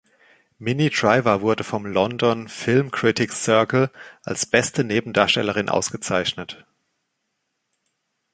Minnie Driver wurde vom London Film Critics Circle als beste Nebendarstellerin ausgezeichnet.